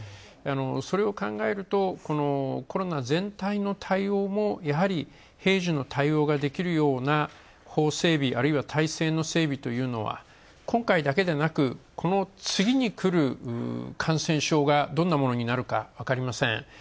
それを考えると、コロナ全体の対応もやはり、平時の対応ができるような法整備あるいは体制の整備というのは今回だけでなく、この次にくる感染症がどんなものになるか分かりません。